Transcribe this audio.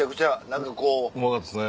うまかったですね。